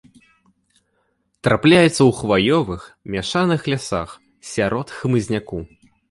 Трапляецца ў хваёвых, мяшаных лясах, сярод хмызняку.